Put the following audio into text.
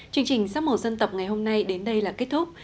chương trình sắp màu dân tộc ngày hôm nay đến đây là kết thúc